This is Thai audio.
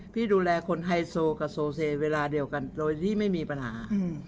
ที่ดูแลคนไฮโซกับโซเซเวลาเดียวกันโดยที่ไม่มีปัญหา